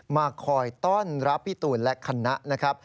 มาคอยต้อนรับพี่ตูนและคณะนะครับ